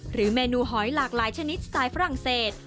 เมนูหอยหลากหลายชนิดสไตล์ฝรั่งเศส